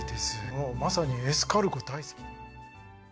もうまさにエスカルゴ大好き。